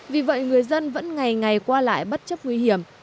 vì vậy người dân vẫn ngày ngày qua lại bất chấp nguy hiểm